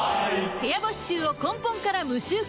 部屋干し臭を根本から無臭化